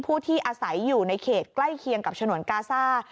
ผู้ที่อาศัยอยู่ในเขตใกล้เคียงกับฉนวนกาซ่า